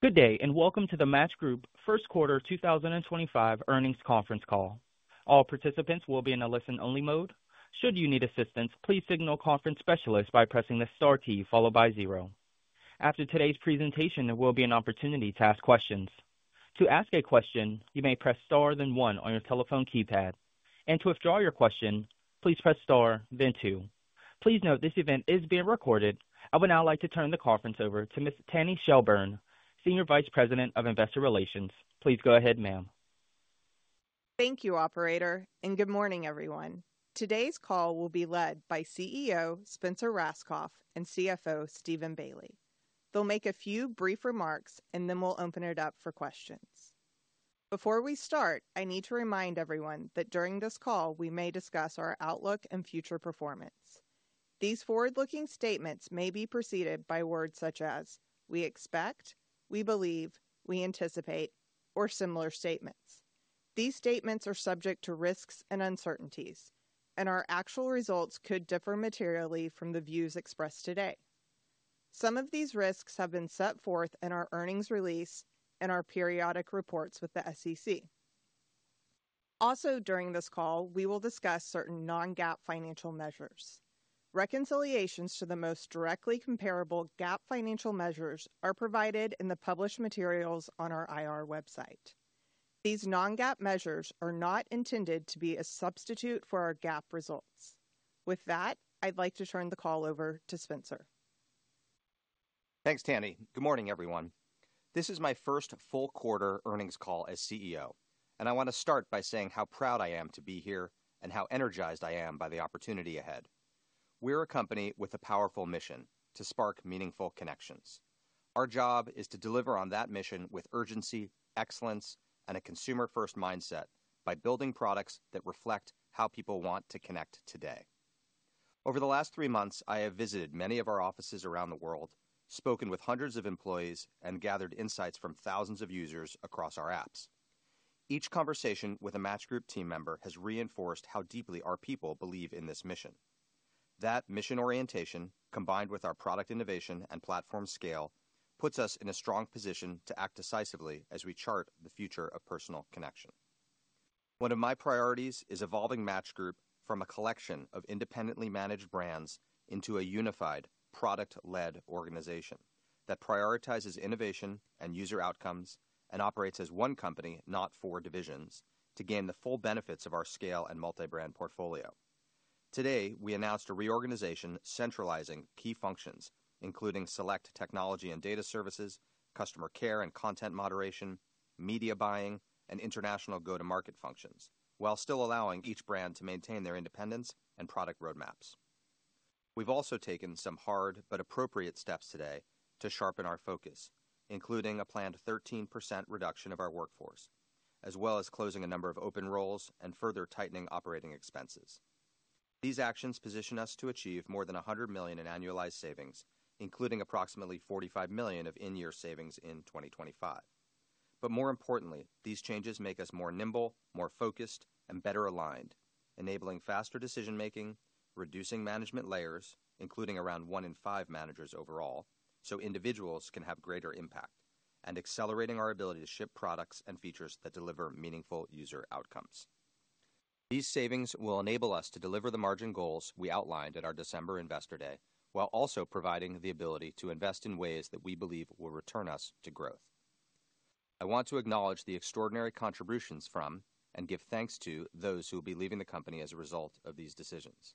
Good day, and welcome to the Match Group Q1 2025 Earnings Conference Call. All participants will be in a listen-only mode. Should you need assistance, please signal a conference specialist by pressing the star key followed by zero. After today's presentation, there will be an opportunity to ask questions. To ask a question, you may press star then one on your telephone keypad. To withdraw your question, please press star then two. Please note this event is being recorded. I would now like to turn the conference over to Miss Tanny Shelburne, Senior Vice President of Investor Relations. Please go ahead, ma'am. Thank you, Operator, and good morning, everyone. Today's call will be led by CEO Spencer Rascoff and CFO Steven Bailey. They'll make a few brief remarks, and then we'll open it up for questions. Before we start, I need to remind everyone that during this call, we may discuss our outlook and future performance. These forward-looking statements may be preceded by words such as, "We expect," "We believe," "We anticipate," or similar statements. These statements are subject to risks and uncertainties, and our actual results could differ materially from the views expressed today. Some of these risks have been set forth in our earnings release and our periodic reports with the SEC. Also, during this call, we will discuss certain non-GAAP financial measures. Reconciliations to the most directly comparable GAAP financial measures are provided in the published materials on our IR website. These non-GAAP measures are not intended to be a substitute for our GAAP results. With that, I'd like to turn the call over to Spencer. Thanks, Tanny. Good morning, everyone. This is my first full-quarter earnings call as CEO, and I want to start by saying how proud I am to be here and how energized I am by the opportunity ahead. We're a company with a powerful mission: to spark meaningful connections. Our job is to deliver on that mission with urgency, excellence, and a consumer-first mindset by building products that reflect how people want to connect today. Over the last three months, I have visited many of our offices around the world, spoken with hundreds of employees, and gathered insights from thousands of users across our apps. Each conversation with a Match Group team member has reinforced how deeply our people believe in this mission. That mission orientation, combined with our product innovation and platform scale, puts us in a strong position to act decisively as we chart the future of personal connection. One of my priorities is evolving Match Group from a collection of independently managed brands into a unified, product-led organization that prioritizes innovation and user outcomes and operates as one company, not four divisions, to gain the full benefits of our scale and multi-brand portfolio. Today, we announced a reorganization centralizing key functions, including select technology and data services, customer care and content moderation, media buying, and international go-to-market functions, while still allowing each brand to maintain their independence and product roadmaps. We've also taken some hard but appropriate steps today to sharpen our focus, including a planned 13% reduction of our workforce, as well as closing a number of open roles and further tightening operating expenses. These actions position us to achieve more than $100 million in annualized savings, including approximately $45 million of in-year savings in 2025. More importantly, these changes make us more nimble, more focused, and better aligned, enabling faster decision-making, reducing management layers, including around one in five managers overall, so individuals can have greater impact, and accelerating our ability to ship products and features that deliver meaningful user outcomes. These savings will enable us to deliver the margin goals we outlined at our December Investor Day, while also providing the ability to invest in ways that we believe will return us to growth. I want to acknowledge the extraordinary contributions from and give thanks to those who will be leaving the company as a result of these decisions.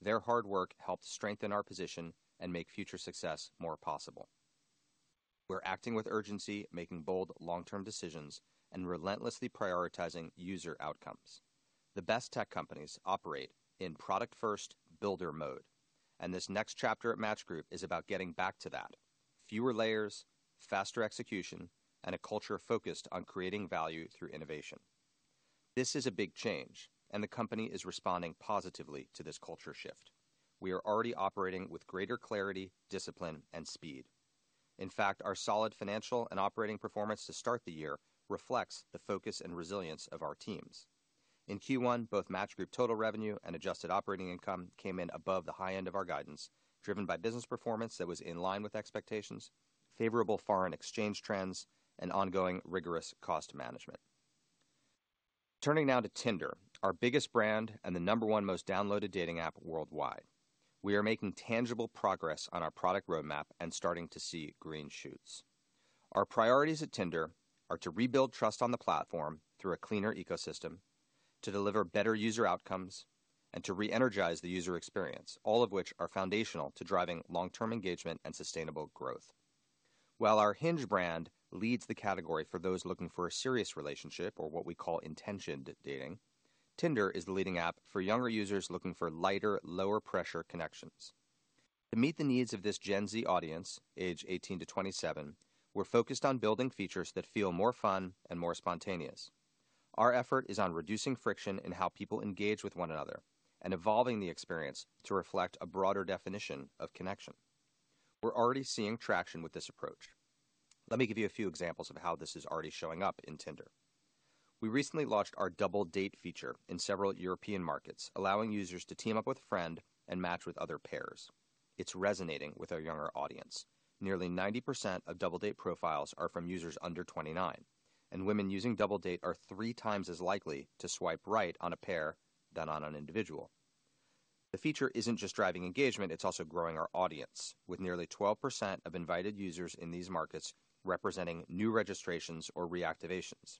Their hard work helped strengthen our position and make future success more possible. We're acting with urgency, making bold long-term decisions, and relentlessly prioritizing user outcomes. The best tech companies operate in product-first builder mode, and this next chapter at Match Group is about getting back to that: fewer layers, faster execution, and a culture focused on creating value through innovation. This is a big change, and the company is responding positively to this culture shift. We are already operating with greater clarity, discipline, and speed. In fact, our solid financial and operating performance to start the year reflects the focus and resilience of our teams. In Q1, both Match Group total revenue and adjusted operating income came in above the high end of our guidance, driven by business performance that was in line with expectations, favorable foreign exchange trends, and ongoing rigorous cost management. Turning now to Tinder, our biggest brand and the number one most downloaded dating app worldwide. We are making tangible progress on our product roadmap and starting to see green shoots. Our priorities at Tinder are to rebuild trust on the platform through a cleaner ecosystem, to deliver better user outcomes, and to re-energize the user experience, all of which are foundational to driving long-term engagement and sustainable growth. While our Hinge brand leads the category for those looking for a serious relationship or what we call intentioned dating, Tinder is the leading app for younger users looking for lighter, lower-pressure connections. To meet the needs of this Gen Z audience, age 18 to 27, we're focused on building features that feel more fun and more spontaneous. Our effort is on reducing friction in how people engage with one another and evolving the experience to reflect a broader definition of connection. We're already seeing traction with this approach. Let me give you a few examples of how this is already showing up in Tinder. We recently launched our Double Date feature in several European markets, allowing users to team up with a friend and match with other pairs. It's resonating with our younger audience. Nearly 90% of Double Date profiles are from users under 29, and women using Double Date are three times as likely to swipe right on a pair than on an individual. The feature isn't just driving engagement; it's also growing our audience, with nearly 12% of invited users in these markets representing new registrations or reactivations.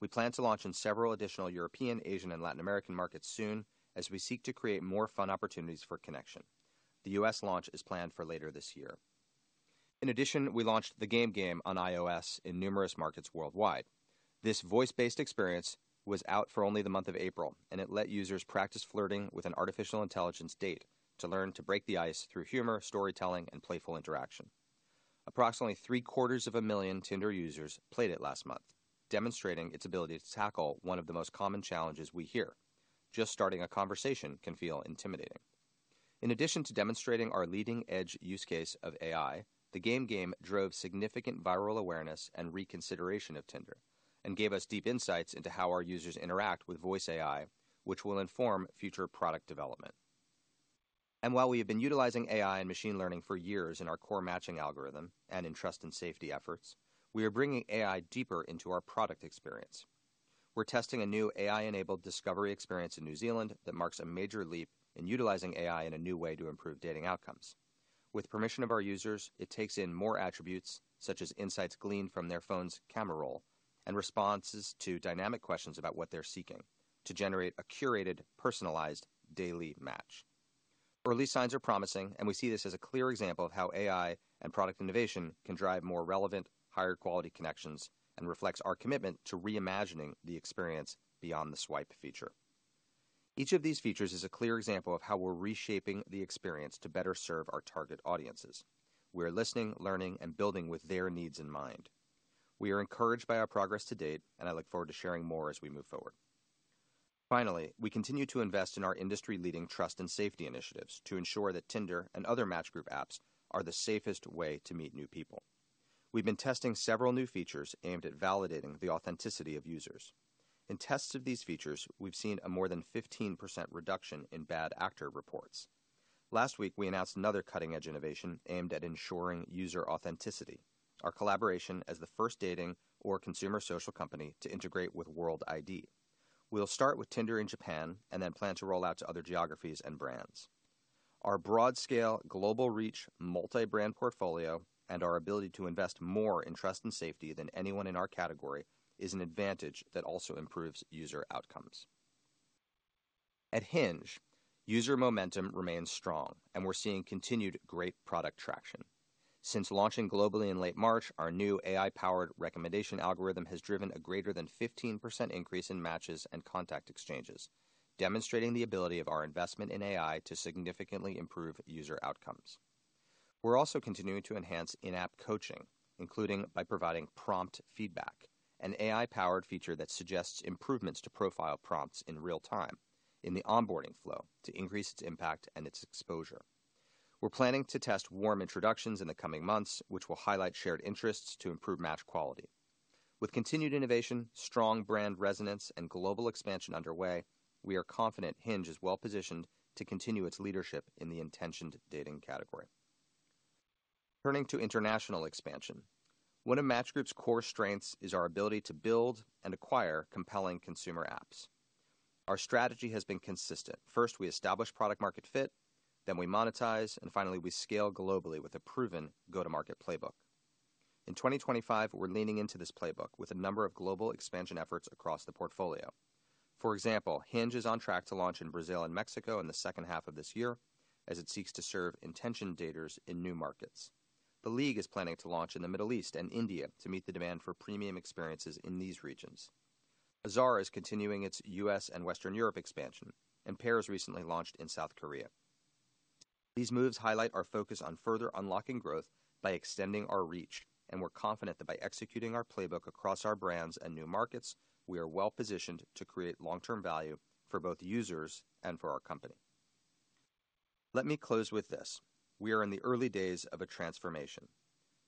We plan to launch in several additional European, Asian, and Latin American markets soon as we seek to create more fun opportunities for connection. The U.S. launch is planned for later this year. In addition, we launched the Game Game on iOS in numerous markets worldwide. This voice-based experience was out for only the month of April, and it let users practice flirting with an artificial intelligence date to learn to break the ice through humor, storytelling, and playful interaction. Approximately three-quarters of a million Tinder users played it last month, demonstrating its ability to tackle one of the most common challenges we hear: just starting a conversation can feel intimidating. In addition to demonstrating our leading-edge use case of AI, the Game Game drove significant viral awareness and reconsideration of Tinder and gave us deep insights into how our users interact with voice AI, which will inform future product development. While we have been utilizing AI and machine learning for years in our core matching algorithm and in trust and safety efforts, we are bringing AI deeper into our product experience. We're testing a new AI-enabled discovery experience in New Zealand that marks a major leap in utilizing AI in a new way to improve dating outcomes. With permission of our users, it takes in more attributes, such as insights gleaned from their phone's camera roll and responses to dynamic questions about what they're seeking, to generate a curated, personalized daily match. Early signs are promising, and we see this as a clear example of how AI and product innovation can drive more relevant, higher-quality connections and reflects our commitment to reimagining the experience beyond the swipe feature. Each of these features is a clear example of how we're reshaping the experience to better serve our target audiences. We are listening, learning, and building with their needs in mind. We are encouraged by our progress to date, and I look forward to sharing more as we move forward. Finally, we continue to invest in our industry-leading trust and safety initiatives to ensure that Tinder and other Match Group apps are the safest way to meet new people. We've been testing several new features aimed at validating the authenticity of users. In tests of these features, we've seen a more than 15% reduction in bad actor reports. Last week, we announced another cutting-edge innovation aimed at ensuring user authenticity: our collaboration as the first dating or consumer social company to integrate with World ID. We'll start with Tinder in Japan and then plan to roll out to other geographies and brands. Our broad-scale, global-reach, multi-brand portfolio and our ability to invest more in trust and safety than anyone in our category is an advantage that also improves user outcomes. At Hinge, user momentum remains strong, and we're seeing continued great product traction. Since launching globally in late March, our new AI-powered recommendation algorithm has driven a greater than 15% increase in matches and contact exchanges, demonstrating the ability of our investment in AI to significantly improve user outcomes. We're also continuing to enhance in-app coaching, including by providing Prompt Feedback, an AI-powered feature that suggests improvements to profile prompts in real time in the onboarding flow to increase its impact and its exposure. We're planning to test Warm Introductions in the coming months, which will highlight shared interests to improve match quality. With continued innovation, strong brand resonance, and global expansion underway, we are confident Hinge is well-positioned to continue its leadership in the intentioned dating category. Turning to international expansion, one of Match Group's core strengths is our ability to build and acquire compelling consumer apps. Our strategy has been consistent. First, we establish product-market fit, then we monetize, and finally, we scale globally with a proven go-to-market playbook. In 2025, we're leaning into this playbook with a number of global expansion efforts across the portfolio. For example, Hinge is on track to launch in Brazil and Mexico in the second half of this year as it seeks to serve intentioned daters in new markets. The League is planning to launch in the Middle East and India to meet the demand for premium experiences in these regions. Azar is continuing its U.S. and Western Europe expansion, and Pairs recently launched in South Korea. These moves highlight our focus on further unlocking growth by extending our reach, and we're confident that by executing our playbook across our brands and new markets, we are well-positioned to create long-term value for both users and for our company. Let me close with this: we are in the early days of a transformation.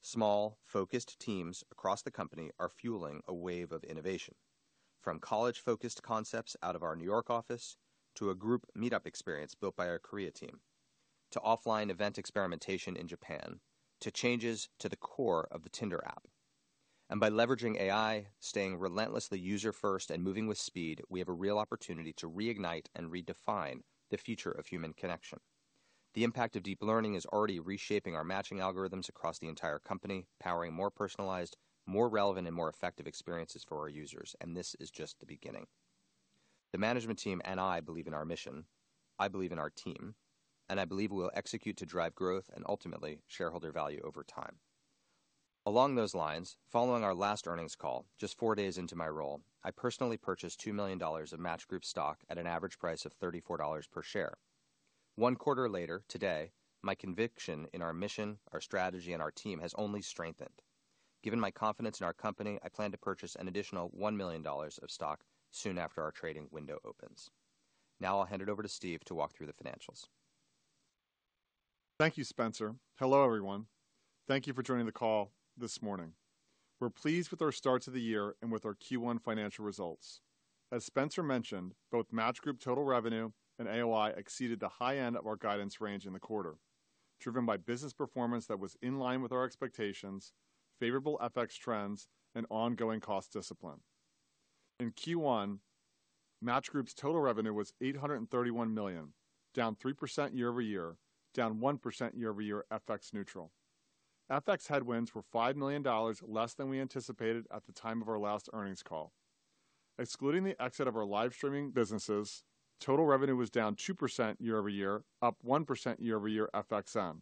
Small, focused teams across the company are fueling a wave of innovation, from college-focused concepts out of our New York office to a group meetup experience built by our Korea team, to offline event experimentation in Japan, to changes to the core of the Tinder app. By leveraging AI, staying relentlessly user-first, and moving with speed, we have a real opportunity to reignite and redefine the future of human connection. The impact of deep learning is already reshaping our matching algorithms across the entire company, powering more personalized, more relevant, and more effective experiences for our users, and this is just the beginning. The management team and I believe in our mission; I believe in our team, and I believe we will execute to drive growth and ultimately shareholder value over time. Along those lines, following our last earnings call, just four days into my role, I personally purchased $2 million of Match Group stock at an average price of $34 per share. One quarter later, today, my conviction in our mission, our strategy, and our team has only strengthened. Given my confidence in our company, I plan to purchase an additional $1 million of stock soon after our trading window opens. Now I'll hand it over to Steve to walk through the financials. Thank you, Spencer. Hello, everyone. Thank you for joining the call this morning. We're pleased with our start to the year and with our Q1 financial results. As Spencer mentioned, both Match Group total revenue and AOI exceeded the high end of our guidance range in the quarter, driven by business performance that was in line with our expectations, favorable FX trends, and ongoing cost discipline. In Q1, Match Group's total revenue was $831 million, down 3% year-over-year, down 1% year-over-year FX neutral. FX headwinds were $5 million less than we anticipated at the time of our last earnings call. Excluding the exit of our live-streaming businesses, total revenue was down 2% year-over-year, up 1% year-over-year FX neutral.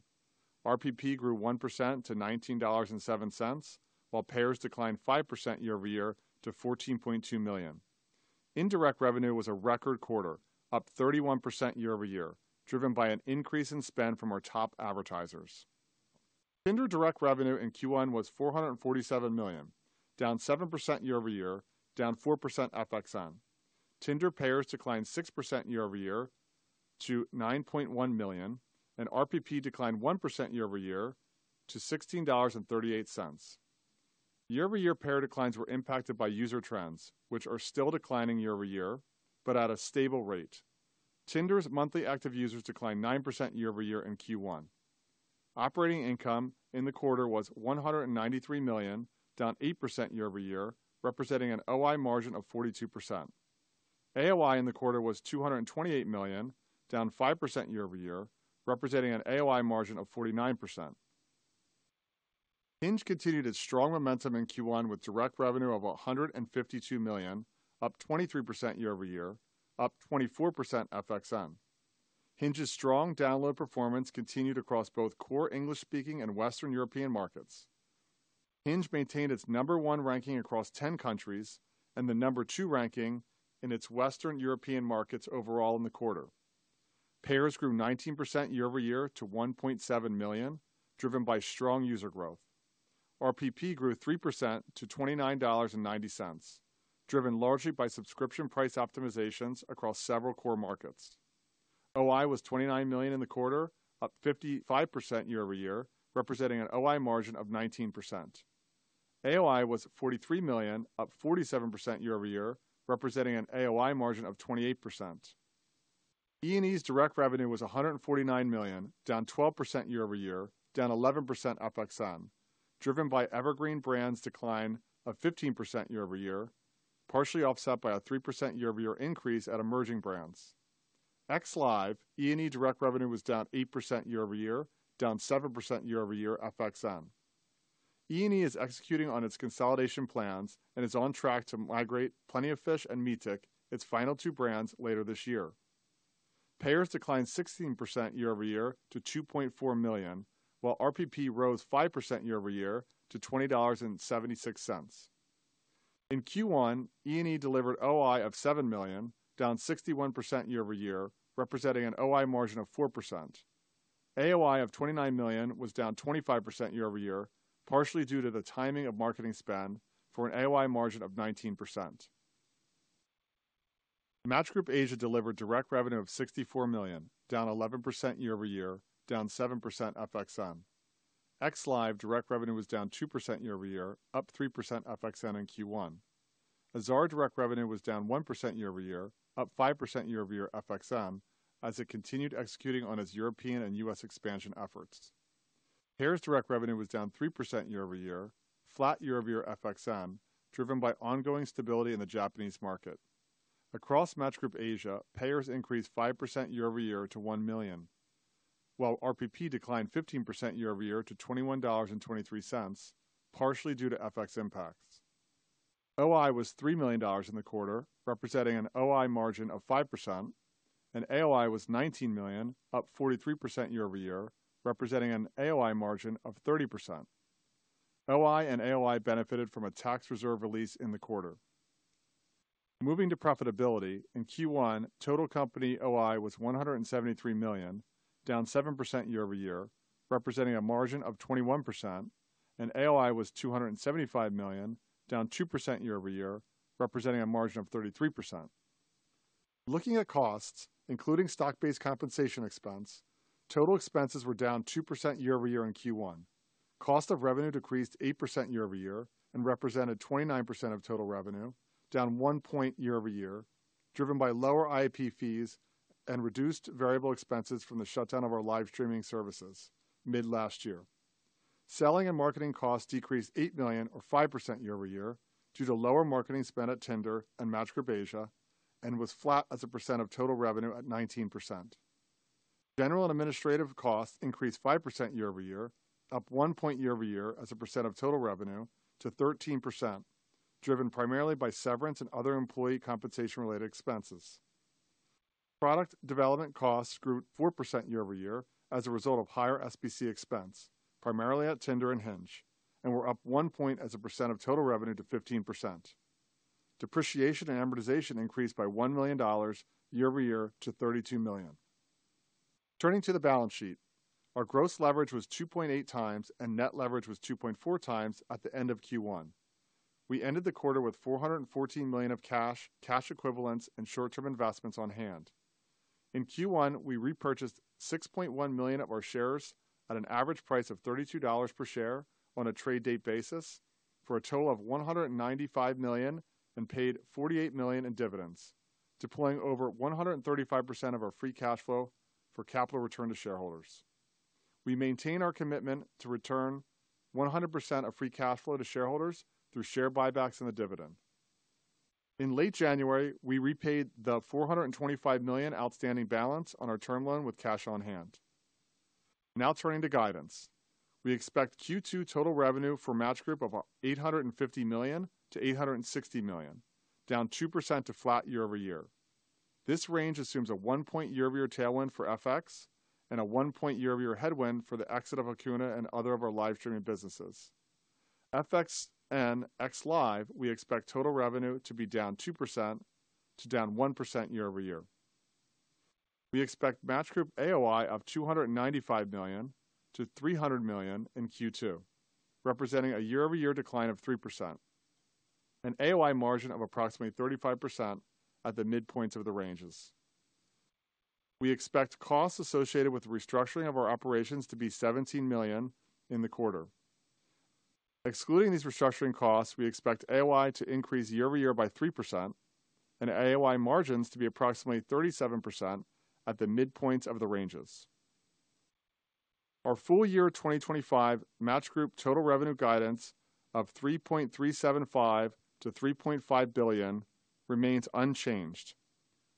RPP grew 1% to $19.07, while Pairs declined 5% year-over-year to 14.2 million. Indirect revenue was a record quarter, up 31% year-over-year, driven by an increase in spend from our top advertisers. Tinder direct revenue in Q1 was $447 million, down 7% year-over-year, down 4% FXM. Tinder payers declined 6% year-over-year to 9.1 million, and RPP declined 1% year-over-year to $16.38. Year-over-year payer declines were impacted by user trends, which are still declining year-over-year, but at a stable rate. Tinder's monthly active users declined 9% year-over-year in Q1. Operating income in the quarter was $193 million, down 8% year-over-year, representing an OI margin of 42%. AOI in the quarter was $228 million, down 5% year-over-year, representing an AOI margin of 49%. Hinge continued its strong momentum in Q1 with direct revenue of $152 million, up 23% year-over-year, up 24% FXM. Hinge's strong download performance continued across both core English-speaking and Western European markets. Hinge maintained its number one ranking across 10 countries and the number two ranking in its Western European markets overall in the quarter. Pairs grew 19% year-over-year to $1.7 million, driven by strong user growth. RPP grew 3% to $29.90, driven largely by subscription price optimizations across several core markets. OI was $29 million in the quarter, up 55% year-over-year, representing an OI margin of 19%. AOI was $43 million, up 47% year-over-year, representing an AOI margin of 28%. E&E's direct revenue was $149 million, down 12% year-over-year, down 11% FXM, driven by Evergreen brand's decline of 15% year-over-year, partially offset by a 3% year-over-year increase at emerging brands. XLive, E&E direct revenue was down 8% year-over-year, down 7% year-over-year FXM. E&E is executing on its consolidation plans and is on track to migrate PlentyOfFish and Meetic, its final two brands, later this year. Pairs declined 16% year-over-year to $2.4 million, while RPP rose 5% year-over-year to $20.76. In Q1, E&E delivered OI of $7 million, down 61% year-over-year, representing an OI margin of 4%. AOI of $29 million was down 25% year-over-year, partially due to the timing of marketing spend for an AOI margin of 19%. Match Group Asia delivered direct revenue of $64 million, down 11% year-over-year, down 7% FXM. XLive direct revenue was down 2% year-over-year, up 3% FXM in Q1. Azar direct revenue was down 1% year-over-year, up 5% year-over-year FXM, as it continued executing on its European and U.S. expansion efforts. Pairs direct revenue was down 3% year-over-year, flat year-over-year FXM, driven by ongoing stability in the Japanese market. Across Match Group Asia, Pairs increased 5% year-over-year to $1 million, while RPP declined 15% year-over-year to $21.23, partially due to FX impacts. OI was $3 million in the quarter, representing an OI margin of 5%, and AOI was $19 million, up 43% year-over-year, representing an AOI margin of 30%. OI and AOI benefited from a tax reserve release in the quarter. Moving to profitability, in Q1, total company OI was $173 million, down 7% year-over-year, representing a margin of 21%, and AOI was $275 million, down 2% year-over-year, representing a margin of 33%. Looking at costs, including stock-based compensation expense, total expenses were down 2% year-over-year in Q1. Cost of revenue decreased 8% year-over-year and represented 29% of total revenue, down 1 percentage point year-over-year, driven by lower IP fees and reduced variable expenses from the shutdown of our live streaming services mid-last year. Selling and marketing costs decreased $8 million, or 5% year-over-year, due to lower marketing spend at Tinder and Match Group Asia, and was flat as a percent of total revenue at 19%. General and administrative costs increased 5% year-over-year, up 1 percentage point year-over-year as a percent of total revenue, to 13%, driven primarily by severance and other employee compensation-related expenses. Product development costs grew 4% year-over-year as a result of higher SBC expense, primarily at Tinder and Hinge, and were up 1 percentage point as a percent of total revenue to 15%. Depreciation and amortization increased by $1 million year-over-year to $32 million. Turning to the balance sheet, our gross leverage was 2.8 times and net leverage was 2.4 times at the end of Q1. We ended the quarter with $414 million of cash, cash equivalents, and short-term investments on hand. In Q1, we repurchased $6.1 million of our shares at an average price of $32 per share on a trade-date basis for a total of $195 million and paid $48 million in dividends, deploying over 135% of our free cash flow for capital return to shareholders. We maintain our commitment to return 100% of free cash flow to shareholders through share buybacks and the dividend. In late January, we repaid the $425 million outstanding balance on our term loan with cash on hand. Now turning to guidance, we expect Q2 total revenue for Match Group of $850 million-$860 million, down 2% to flat year-over-year. This range assumes a 1-point year-over-year tailwind for FX and a 1-point year-over-year headwind for the exit of Acuna and other of our live-streaming businesses. FX and XLive, we expect total revenue to be down 2% to down 1% year-over-year. We expect Match Group AOI of $295 million-$300 million in Q2, representing a year-over-year decline of 3%, an AOI margin of approximately 35% at the midpoints of the ranges. We expect costs associated with restructuring of our operations to be $17 million in the quarter. Excluding these restructuring costs, we expect AOI to increase year-over-year by 3% and AOI margins to be approximately 37% at the midpoints of the ranges. Our full year 2025 Match Group total revenue guidance of $3.375 billion-$3.5 billion remains unchanged.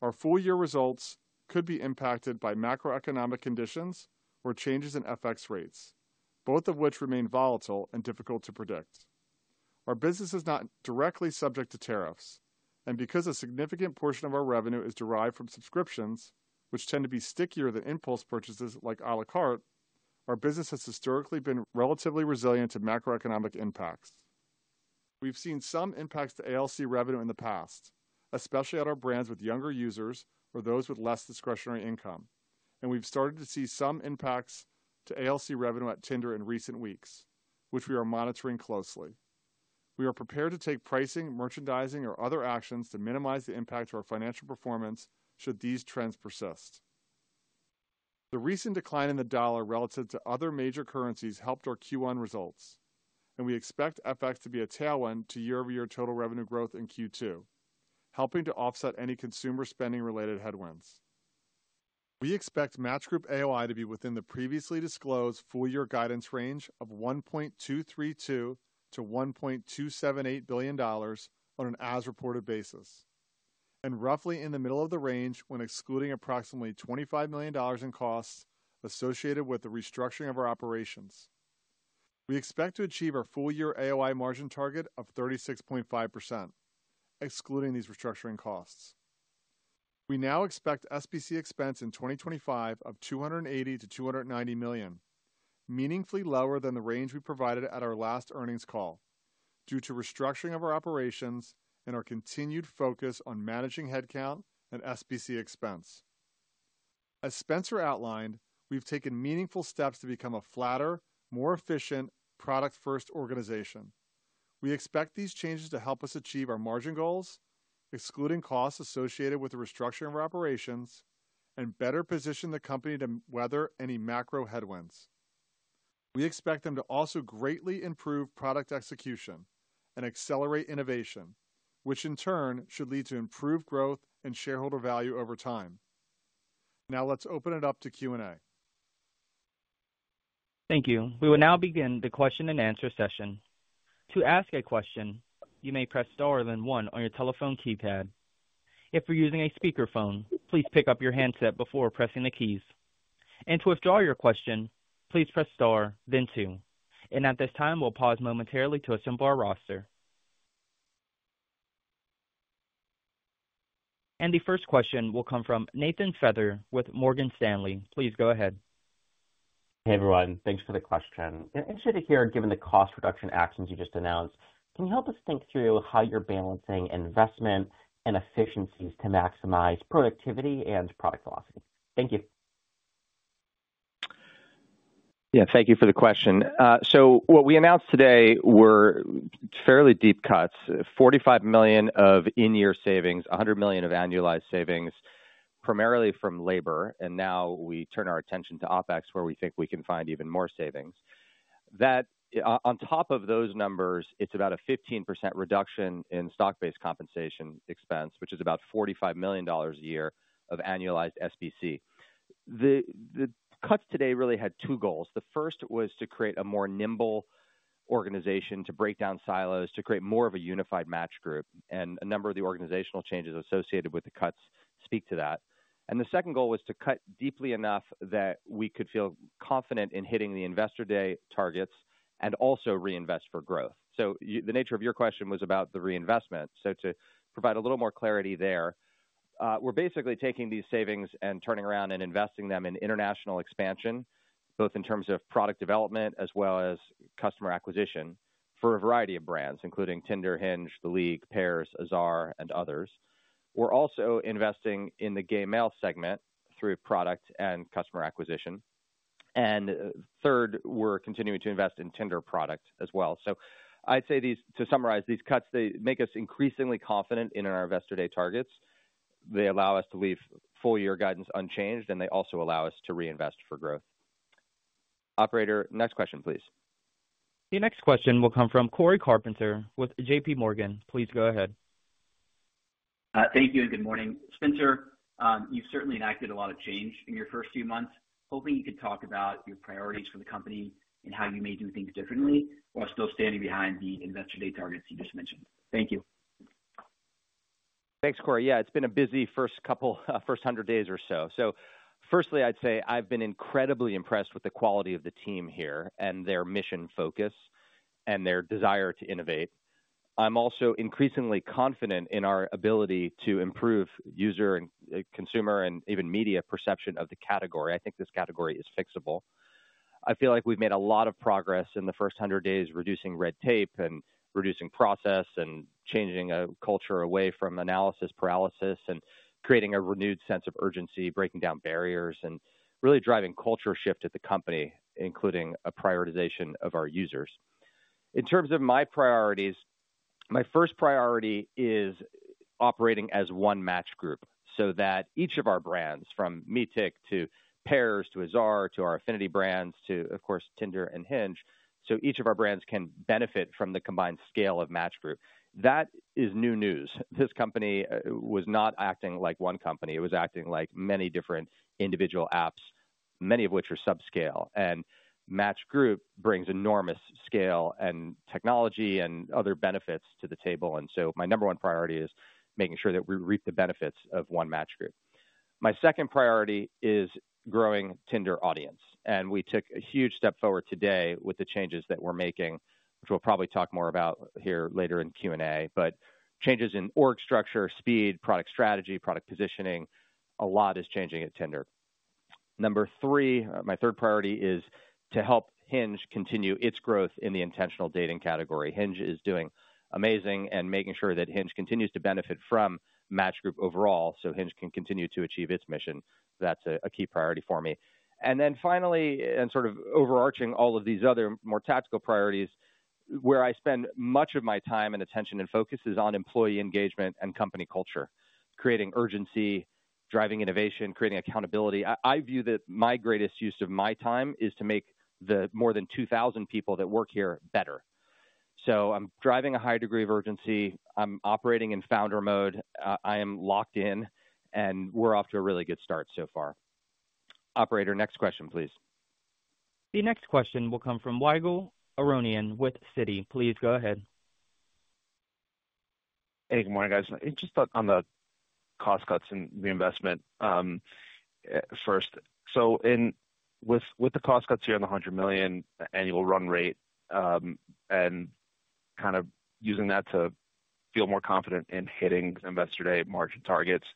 Our full year results could be impacted by macroeconomic conditions or changes in FX rates, both of which remain volatile and difficult to predict. Our business is not directly subject to tariffs, and because a significant portion of our revenue is derived from subscriptions, which tend to be stickier than impulse purchases like à la carte, our business has historically been relatively resilient to macroeconomic impacts. We've seen some impacts to ALC revenue in the past, especially at our brands with younger users or those with less discretionary income, and we've started to see some impacts to ALC revenue at Tinder in recent weeks, which we are monitoring closely. We are prepared to take pricing, merchandising, or other actions to minimize the impact to our financial performance should these trends persist. The recent decline in the dollar relative to other major currencies helped our Q1 results, and we expect FX to be a tailwind to year-over-year total revenue growth in Q2, helping to offset any consumer spending-related headwinds. We expect Match Group AOI to be within the previously disclosed full year guidance range of $1.232 billion-$1.278 billion on an as-reported basis, and roughly in the middle of the range when excluding approximately $25 million in costs associated with the restructuring of our operations. We expect to achieve our full year AOI margin target of 36.5%, excluding these restructuring costs. We now expect SBC expense in 2025 of $280 million-$290 million, meaningfully lower than the range we provided at our last earnings call, due to restructuring of our operations and our continued focus on managing headcount and SBC expense. As Spencer outlined, we've taken meaningful steps to become a flatter, more efficient, product-first organization. We expect these changes to help us achieve our margin goals, excluding costs associated with the restructuring of our operations, and better position the company to weather any macro headwinds. We expect them to also greatly improve product execution and accelerate innovation, which in turn should lead to improved growth and shareholder value over time. Now let's open it up to Q&A. Thank you. We will now begin the question-and-answer session. To ask a question, you may press star then one on your telephone keypad. If you're using a speakerphone, please pick up your handset before pressing the keys. To withdraw your question, please press star, then two. At this time, we'll pause momentarily to assemble our roster. The first question will come from Nathan Feather with Morgan Stanley. Please go ahead. Hey, everyone. Thanks for the question. We're interested to hear, given the cost-reduction actions you just announced, can you help us think through how you're balancing investment and efficiencies to maximize productivity and product velocity? Thank you. Yeah, thank you for the question. What we announced today were fairly deep cuts: $45 million of in-year savings, $100 million of annualized savings, primarily from labor. Now we turn our attention to OpEx, where we think we can find even more savings. On top of those numbers, it's about a 15% reduction in stock-based compensation expense, which is about $45 million a year of annualized SBC. The cuts today really had two goals. The first was to create a more nimble organization, to break down silos, to create more of a unified Match Group. A number of the organizational changes associated with the cuts speak to that. The second goal was to cut deeply enough that we could feel confident in hitting the investor day targets and also reinvest for growth. The nature of your question was about the reinvestment. To provide a little more clarity there, we're basically taking these savings and turning around and investing them in international expansion, both in terms of product development as well as customer acquisition for a variety of brands, including Tinder, Hinge, The League, Pairs, Azar, and others. We're also investing in the gay male segment through product and customer acquisition. Third, we're continuing to invest in Tinder product as well. I'd say, to summarize, these cuts make us increasingly confident in our investor day targets. They allow us to leave full year guidance unchanged, and they also allow us to reinvest for growth. Operator, next question, please. The next question will come from Cory Carpenter with JPMorgan. Please go ahead. Thank you and good morning. Spencer, you've certainly enacted a lot of change in your first few months. Hoping you could talk about your priorities for the company and how you may do things differently while still standing behind the investor day targets you just mentioned. Thank you. Thanks, Corey. Yeah, it's been a busy first couple first hundred days or so. Firstly, I'd say I've been incredibly impressed with the quality of the team here and their mission focus and their desire to innovate. I'm also increasingly confident in our ability to improve user and consumer and even media perception of the category. I think this category is fixable. I feel like we've made a lot of progress in the first hundred days reducing red tape and reducing process and changing a culture away from analysis paralysis and creating a renewed sense of urgency, breaking down barriers, and really driving culture shift at the company, including a prioritization of our users. In terms of my priorities, my first priority is operating as one Match Group so that each of our brands, from Meetic to Pairs to Azar to our affinity brands to, of course, Tinder and Hinge, so each of our brands can benefit from the combined scale of Match Group. That is new news. This company was not acting like one company. It was acting like many different individual apps, many of which are subscale. Match Group brings enormous scale and technology and other benefits to the table. My number one priority is making sure that we reap the benefits of one Match Group. My second priority is growing Tinder audience. We took a huge step forward today with the changes that we are making, which we will probably talk more about here later in Q&A, but changes in org structure, speed, product strategy, product positioning. A lot is changing at Tinder. Number three, my third priority is to help Hinge continue its growth in the intentional dating category. Hinge is doing amazing and making sure that Hinge continues to benefit from Match Group overall so Hinge can continue to achieve its mission. That's a key priority for me. Finally, and sort of overarching all of these other more tactical priorities, where I spend much of my time and attention and focus is on employee engagement and company culture, creating urgency, driving innovation, creating accountability. I view that my greatest use of my time is to make the more than 2,000 people that work here better. I'm driving a higher degree of urgency. I'm operating in founder mode. I am locked in, and we're off to a really good start so far. Operator, next question, please. The next question will come from Ygal Arounian with Citi. Please go ahead. Hey, good morning, guys. Just on the cost cuts and reinvestment first. With the cost cuts here on the $100 million annual run rate and kind of using that to feel more confident in hitting investor day margin targets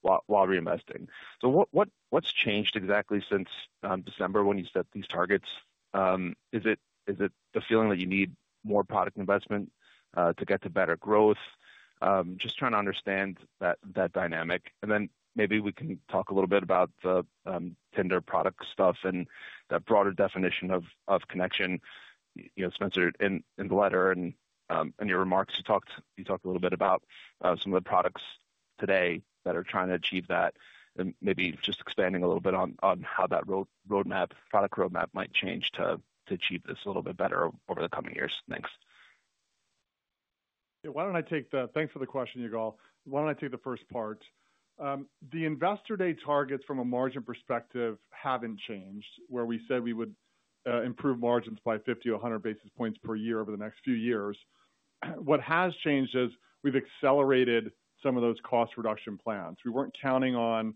while reinvesting. What's changed exactly since December when you set these targets? Is it the feeling that you need more product investment to get to better growth? Just trying to understand that dynamic. Maybe we can talk a little bit about the Tinder product stuff and that broader definition of connection. Spencer, in the letter and in your remarks, you talked a little bit about some of the products today that are trying to achieve that and maybe just expanding a little bit on how that roadmap, product roadmap, might change to achieve this a little bit better over the coming years. Thanks. Yeah, why don't I take the thanks for the question, Yigal. Why don't I take the first part? The investor day targets from a margin perspective haven't changed, where we said we would improve margins by 50 or 100 basis points per year over the next few years. What has changed is we've accelerated some of those cost reduction plans. We weren't counting on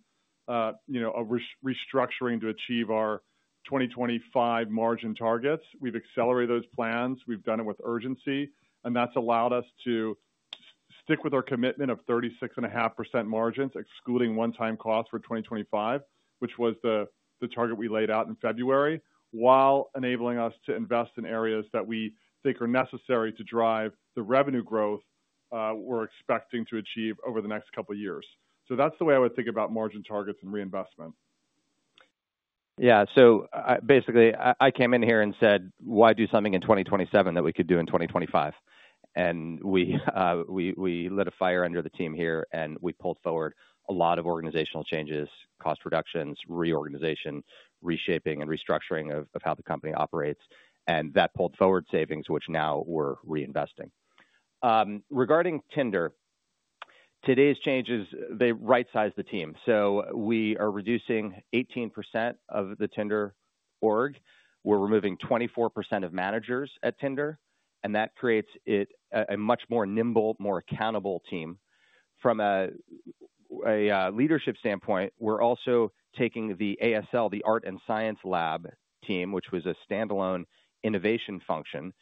a restructuring to achieve our 2025 margin targets. We've accelerated those plans. We've done it with urgency. That's allowed us to stick with our commitment of 36.5% margins, excluding one-time costs for 2025, which was the target we laid out in February, while enabling us to invest in areas that we think are necessary to drive the revenue growth we're expecting to achieve over the next couple of years. That's the way I would think about margin targets and reinvestment. Yeah, so basically, I came in here and said, "Why do something in 2027 that we could do in 2025?" We lit a fire under the team here, and we pulled forward a lot of organizational changes, cost reductions, reorganization, reshaping, and restructuring of how the company operates. That pulled forward savings, which now we're reinvesting. Regarding Tinder, today's changes, they right-sized the team. We are reducing 18% of the Tinder org. We're removing 24% of managers at Tinder. That creates a much more nimble, more accountable team. From a leadership standpoint, we're also taking the ASL, the art and science lab team, which was a standalone innovation function.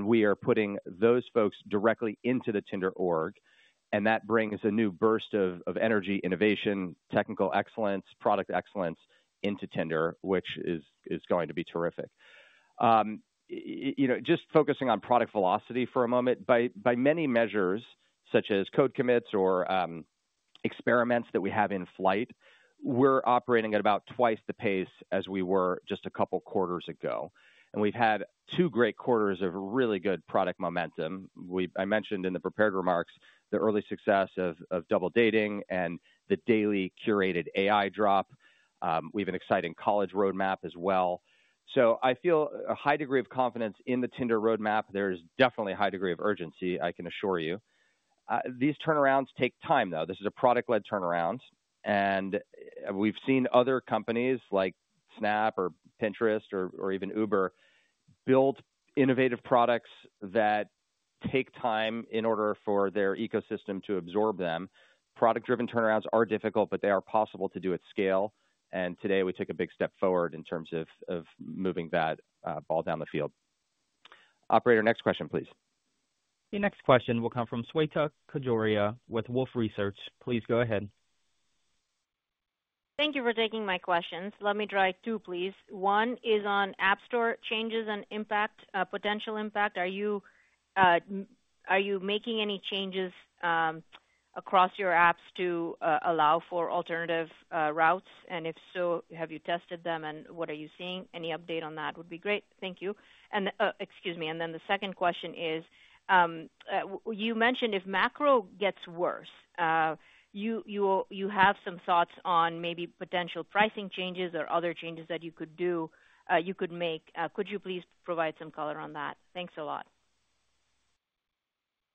We are putting those folks directly into the Tinder org. That brings a new burst of energy, innovation, technical excellence, product excellence into Tinder, which is going to be terrific. Just focusing on product velocity for a moment, by many measures, such as code commits or experiments that we have in flight, we're operating at about twice the pace as we were just a couple of quarters ago. We have had two great quarters of really good product momentum. I mentioned in the prepared remarks the early success of Double Date and the daily curated AI drop. We have an exciting college roadmap as well. I feel a high degree of confidence in the Tinder roadmap. There is definitely a high degree of urgency, I can assure you. These turnarounds take time, though. This is a product-led turnaround. We have seen other companies like Snap or Pinterest or even Uber build innovative products that take time in order for their ecosystem to absorb them. Product-driven turnarounds are difficult, but they are possible to do at scale. Today, we took a big step forward in terms of moving that ball down the field. Operator, next question, please. The next question will come from Sweta Kajoria with Wolfe Research. Please go ahead. Thank you for taking my questions. Let me try two, please. One is on App Store changes and impact, potential impact. Are you making any changes across your apps to allow for alternative routes? If so, have you tested them? What are you seeing? Any update on that would be great. Thank you. Excuse me. The second question is, you mentioned if macro gets worse, you have some thoughts on maybe potential pricing changes or other changes that you could make. Could you please provide some color on that? Thanks a lot.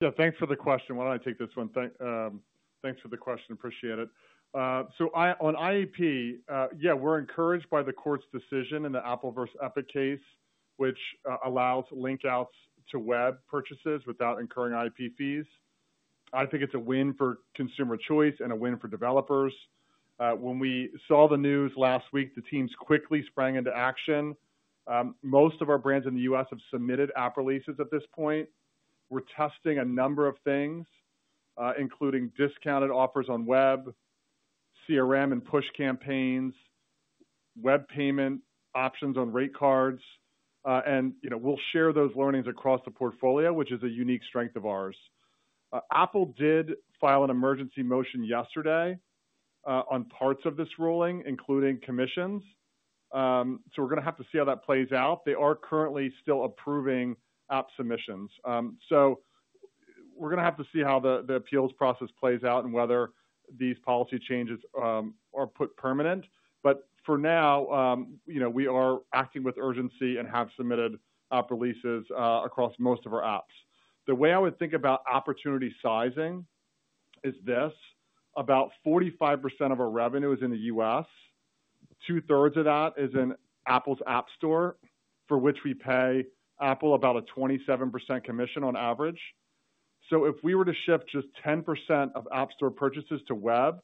Yeah, thanks for the question. Why don't I take this one? Thanks for the question. Appreciate it. On IAP, yeah, we're encouraged by the court's decision in the Apple versus Epic case, which allows link-outs to web purchases without incurring IAP fees. I think it's a win for consumer choice and a win for developers. When we saw the news last week, the teams quickly sprang into action. Most of our brands in the U.S. have submitted app releases at this point. We're testing a number of things, including discounted offers on web, CRM and push campaigns, web payment options on rate cards. We'll share those learnings across the portfolio, which is a unique strength of ours. Apple did file an emergency motion yesterday on parts of this ruling, including commissions. We're going to have to see how that plays out. They are currently still approving app submissions. We are going to have to see how the appeals process plays out and whether these policy changes are put permanent. For now, we are acting with urgency and have submitted app releases across most of our apps. The way I would think about opportunity sizing is this: about 45% of our revenue is in the U.S. Two-thirds of that is in Apple's App Store, for which we pay Apple about a 27% commission on average. If we were to shift just 10% of App Store purchases to web,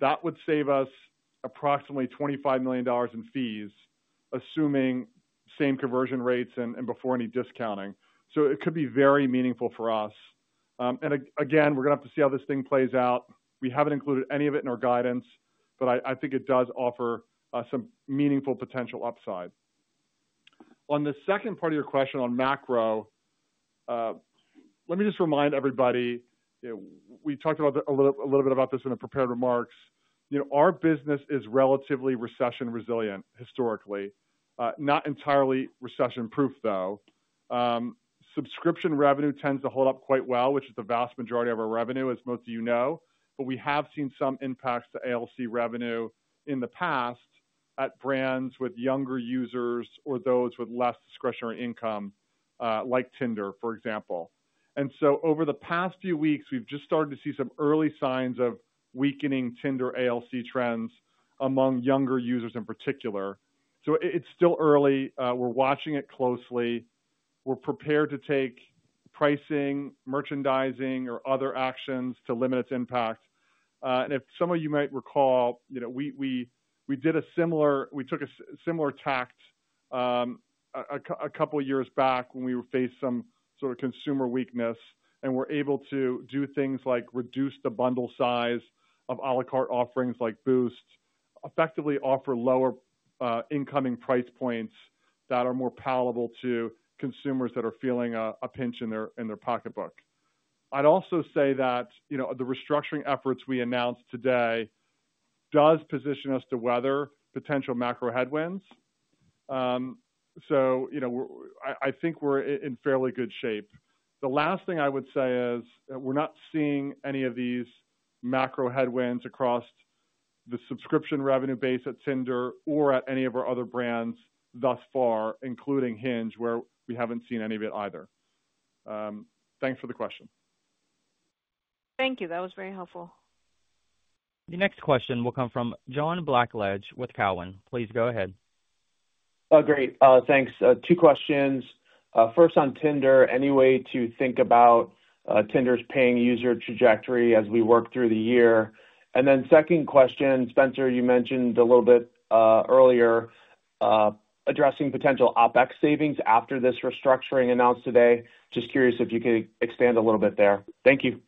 that would save us approximately $25 million in fees, assuming same conversion rates and before any discounting. It could be very meaningful for us. Again, we are going to have to see how this thing plays out. We haven't included any of it in our guidance, but I think it does offer some meaningful potential upside. On the second part of your question on macro, let me just remind everybody. We talked a little bit about this in the prepared remarks. Our business is relatively recession resilient historically, not entirely recession-proof, though. Subscription revenue tends to hold up quite well, which is the vast majority of our revenue, as most of you know. We have seen some impacts to ALC revenue in the past at brands with younger users or those with less discretionary income, like Tinder, for example. Over the past few weeks, we've just started to see some early signs of weakening Tinder ALC trends among younger users in particular. It is still early. We're watching it closely. We're prepared to take pricing, merchandising, or other actions to limit its impact. If some of you might recall, we did a similar, we took a similar tact a couple of years back when we were faced with some sort of consumer weakness and were able to do things like reduce the bundle size of à la carte offerings like Boost, effectively offer lower incoming price points that are more palatable to consumers that are feeling a pinch in their pocketbook. I'd also say that the restructuring efforts we announced today do position us to weather potential macro headwinds. I think we're in fairly good shape. The last thing I would say is we're not seeing any of these macro headwinds across the subscription revenue base at Tinder or at any of our other brands thus far, including Hinge, where we haven't seen any of it either. Thanks for the question. Thank you. That was very helpful. The next question will come from John Blackledge with Cowen. Please go ahead. Oh, great. Thanks. Two questions. First, on Tinder, any way to think about Tinder's paying user trajectory as we work through the year? Second question, Spencer, you mentioned a little bit earlier addressing potential OpEx savings after this restructuring announced today. Just curious if you could expand a little bit there. Thank you.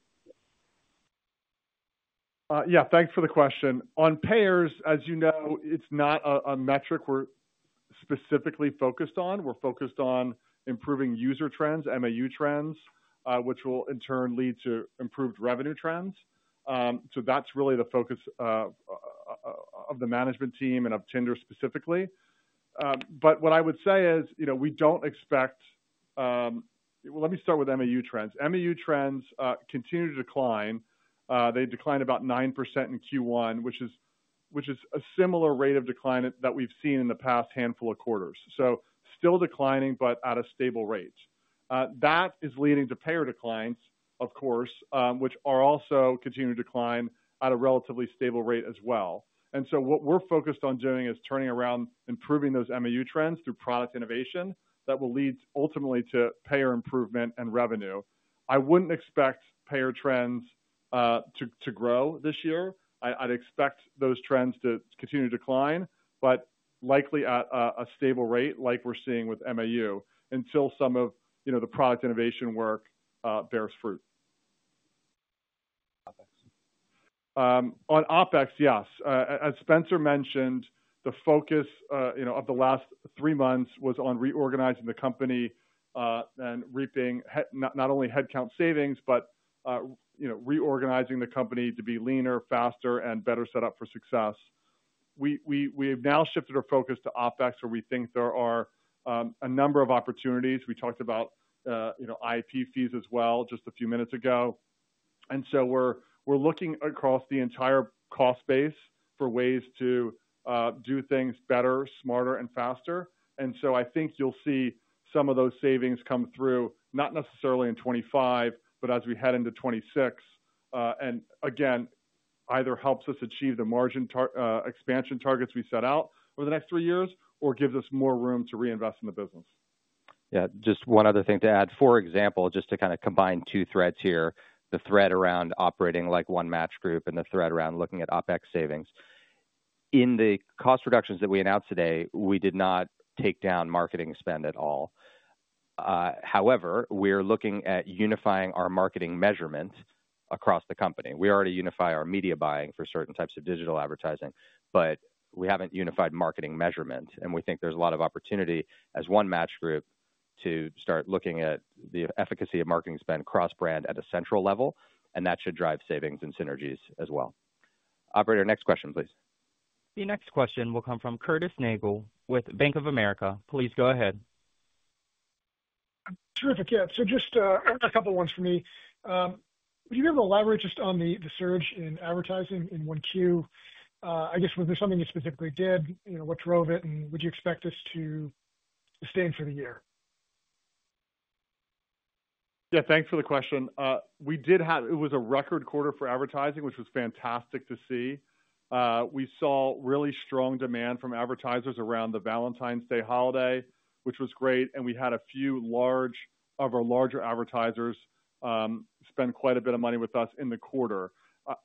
Yeah, thanks for the question. On payers, as you know, it's not a metric we're specifically focused on. We're focused on improving user trends, MAU trends, which will in turn lead to improved revenue trends. That's really the focus of the management team and of Tinder specifically. What I would say is we don't expect—let me start with MAU trends. MAU trends continue to decline. They declined about 9% in Q1, which is a similar rate of decline that we've seen in the past handful of quarters. Still declining, but at a stable rate. That is leading to payer declines, of course, which are also continuing to decline at a relatively stable rate as well. What we're focused on doing is turning around improving those MAU trends through product innovation that will lead ultimately to payer improvement and revenue. I wouldn't expect payer trends to grow this year. I'd expect those trends to continue to decline, but likely at a stable rate like we're seeing with MAU until some of the product innovation work bears fruit. On OpEx, yes. As Spencer mentioned, the focus of the last three months was on reorganizing the company and reaping not only headcount savings, but reorganizing the company to be leaner, faster, and better set up for success. We have now shifted our focus to OpEx, where we think there are a number of opportunities. We talked about IAP fees as well just a few minutes ago. We are looking across the entire cost base for ways to do things better, smarter, and faster. I think you'll see some of those savings come through, not necessarily in 2025, but as we head into 2026. Either helps us achieve the margin expansion targets we set out over the next three years or gives us more room to reinvest in the business. Yeah, just one other thing to add. For example, just to kind of combine two threads here, the thread around operating like one Match Group and the thread around looking at OpEx savings. In the cost reductions that we announced today, we did not take down marketing spend at all. However, we're looking at unifying our marketing measurement across the company. We already unify our media buying for certain types of digital advertising, but we have not unified marketing measurement. We think there is a lot of opportunity as one Match Group to start looking at the efficacy of marketing spend cross-brand at a central level. That should drive savings and synergies as well. Operator, next question, please. The next question will come from Curtis Nagle with Bank of America. Please go ahead. Terrific. Yeah, so just a couple of ones for me. Would you be able to elaborate just on the surge in advertising in Q1? I guess was there something you specifically did? What drove it? Would you expect this to sustain for the year? Yeah, thanks for the question. We did have, it was a record quarter for advertising, which was fantastic to see. We saw really strong demand from advertisers around the Valentine's Day holiday, which was great. We had a few of our larger advertisers spend quite a bit of money with us in the quarter.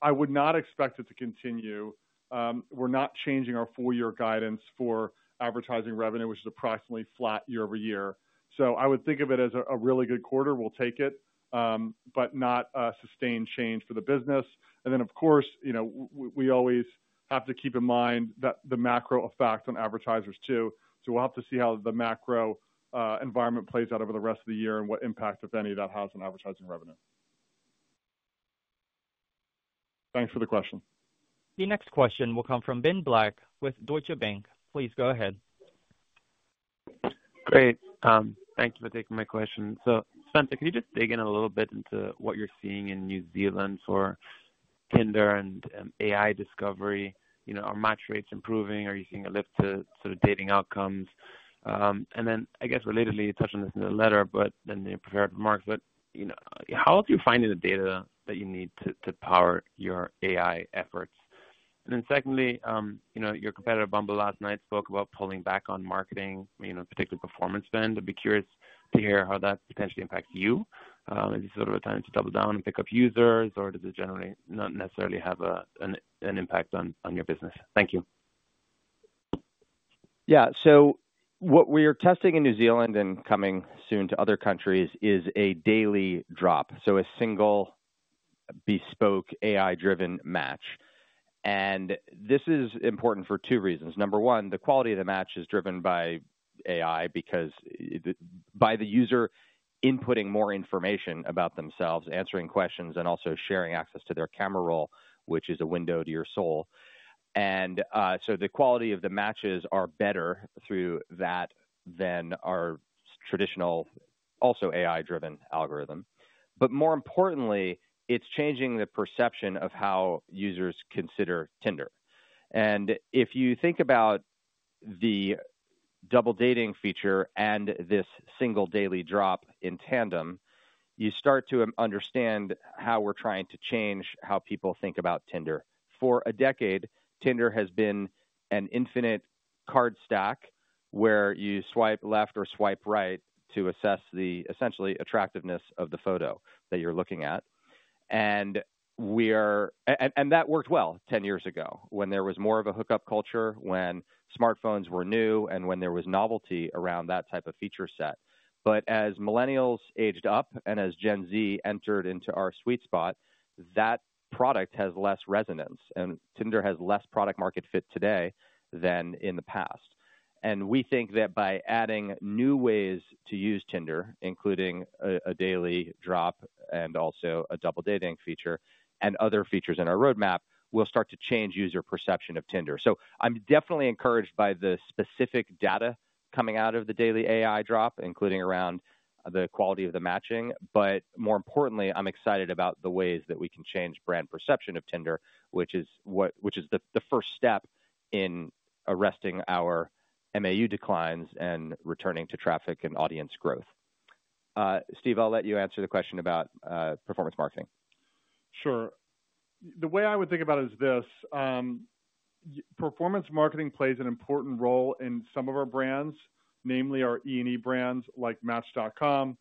I would not expect it to continue. We're not changing our full-year guidance for advertising revenue, which is approximately flat year over year. I would think of it as a really good quarter. We'll take it, but not sustain change for the business. Of course, we always have to keep in mind the macro effect on advertisers too. We'll have to see how the macro environment plays out over the rest of the year and what impact, if any, that has on advertising revenue. Thanks for the question. The next question will come from Ben Black with Deutsche Bank. Please go ahead. Great. Thank you for taking my question. Spencer, can you just dig in a little bit into what you're seeing in New Zealand for Tinder and AI discovery? Are match rates improving? Are you seeing a lift to sort of dating outcomes? I guess relatedly, you touched on this in the letter, but then in the prepared remarks, how do you find the data that you need to power your AI efforts? Secondly, your competitor, Bumble, last night spoke about pulling back on marketing, particularly performance spend. I'd be curious to hear how that potentially impacts you. Is this sort of a time to double down and pick up users, or does it generally not necessarily have an impact on your business? Thank you. Yeah, so what we are testing in New Zealand and coming soon to other countries is a daily drop, so a single bespoke AI-driven match. This is important for two reasons. Number one, the quality of the match is driven by AI because by the user inputting more information about themselves, answering questions, and also sharing access to their camera roll, which is a window to your soul. The quality of the matches are better through that than our traditional also AI-driven algorithm. More importantly, it's changing the perception of how users consider Tinder. If you think about the Double Date feature and this single daily drop in tandem, you start to understand how we're trying to change how people think about Tinder. For a decade, Tinder has been an infinite card stack where you swipe left or swipe right to assess the essentially attractiveness of the photo that you're looking at. That worked well 10 years ago when there was more of a hookup culture, when smartphones were new, and when there was novelty around that type of feature set. As millennials aged up and as Gen Z entered into our sweet spot, that product has less resonance, and Tinder has less product-market fit today than in the past. We think that by adding new ways to use Tinder, including a daily drop and also a double-dating feature and other features in our roadmap, we'll start to change user perception of Tinder. I'm definitely encouraged by the specific data coming out of the daily AI drop, including around the quality of the matching. More importantly, I'm excited about the ways that we can change brand perception of Tinder, which is the first step in arresting our MAU declines and returning to traffic and audience growth. Steve, I'll let you answer the question about performance marketing. Sure. The way I would think about it is this: performance marketing plays an important role in some of our brands, namely our E&E brands like Match.com.